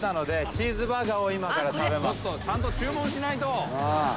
ちゃんと注文しないと。